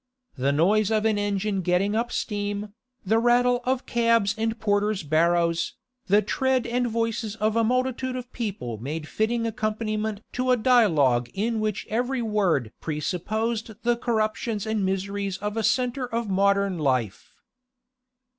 The noise of an engine getting up steam, the rattle of cabs and porters' barrows, the tread and voices of a multitude of people made fitting accompaniment to a dialogue which in every word presupposed the corruptions and miseries of a centre of modern life.